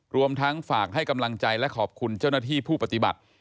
รวมทั้งฝากให้กำลังใจและขอบคุณเจ้าหน้าที่ผู้ปฏิบัติ